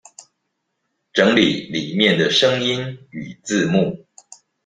整理裡面的聲音與字幕